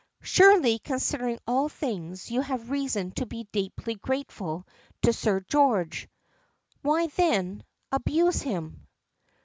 "Surely, considering all things, you have reason to be deeply grateful to Sir George. Why, then, abuse him?"